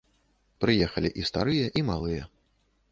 Прыехалі і старыя, і малыя.